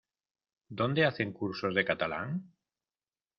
¿Dónde hacen cursos de catalán?